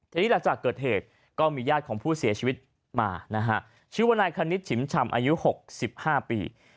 ทีนี้หลังจากเกิดเหตุก็มีญาติของผู้เสียชีวิตมานะฮะชื่อว่านายคณิตฉิมชำอายุ๖๕ปี